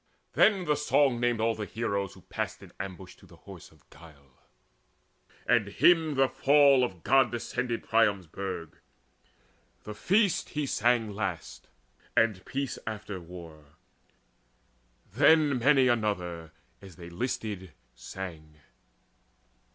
Then the song named all heroes who passed in To ambush in the Horse of Guile, and hymned The fall of god descended Priam's burg; The feast he sang last, and peace after war; Then many another, as they listed, sang.